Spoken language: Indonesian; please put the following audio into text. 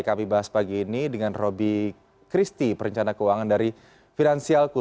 kami bahas pagi ini dengan roby christi perencana keuangan dari finansialku